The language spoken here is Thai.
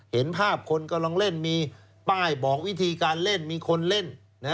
เห็นภาพคนกำลังเล่นมีป้ายบอกวิธีการเล่นมีคนเล่น